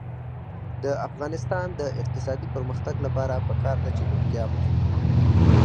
د افغانستان د اقتصادي پرمختګ لپاره پکار ده چې روغتیا مهمه وي.